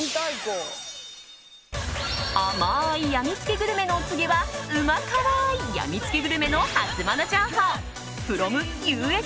甘い病みつきのお次はうま辛い病みつきグルメのハツモノ情報フロムＵＳＡ